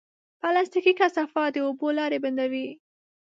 پلاستيکي کثافات د اوبو لارې بندوي.